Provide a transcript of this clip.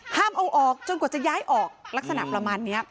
ห้ามเอาออกจนกว่าจะย้ายออกลักษณะประมาณนี้